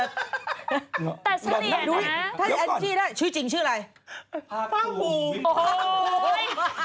แต่เสียเหรียญนะถ้าจริงชื่อจริงชื่ออะไร